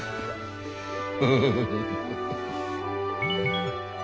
フフフフフ。